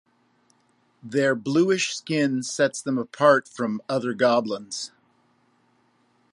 Their bluish skin sets them apart from other goblins.